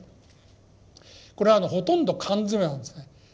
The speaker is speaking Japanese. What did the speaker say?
これはほとんど缶詰なんですね。